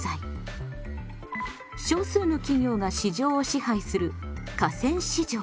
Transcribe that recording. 少数の企業が市場を支配する寡占市場。